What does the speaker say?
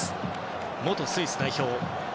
元スイス代表。